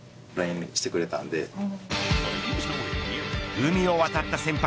海を渡った先輩